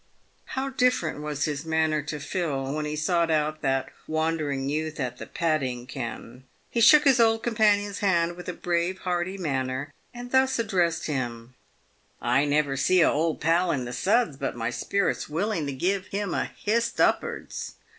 How different was his manner to Phil, when he sought out that wandering youth at the padding ken. He shook his old companion's hand with a brave, hearty manner, and thus addressed him :" I never see a old pal in the suds but my spirit's willing to give him a hist up'ards.